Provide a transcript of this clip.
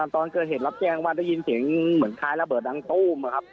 ตอนเกิดเหตุรับแจ้งว่าได้ยินเสียงเหมือนคล้ายระเบิดดังตู้มนะครับ